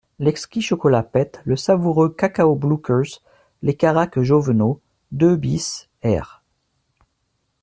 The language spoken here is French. L'exquis chocolat Pette, le savoureux cacao Blookers, les caraques Joveneau, deux bis, r.